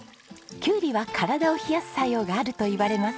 キュウリは体を冷やす作用があるといわれます。